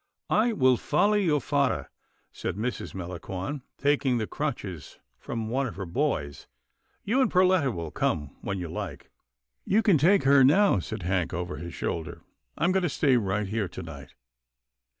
" I will follow your fathah," said Mrs. Melan con, taking the crutches from one of her boys. " You and Perletta will come when you like." " You can take her now," said Hank over his shoulder, " I'm going to stay right here to night."